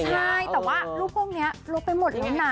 แต่ลูกโปรงนี้ลบไปหมดแล้วนะ